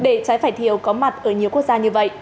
để trái vài thiếu có mặt ở nhiều quốc gia như vậy